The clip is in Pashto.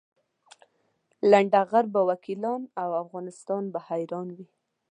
لنډه غر به وکیلان او افغانستان به حیران وي.